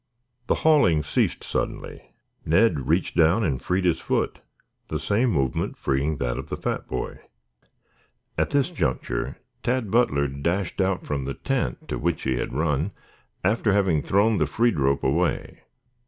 The hauling ceased suddenly. Ned reached down and freed his foot, the same movement freeing that of the fat boy. At this juncture Tad Butler dashed out from the tent, to which he had run after having thrown the freed rope away.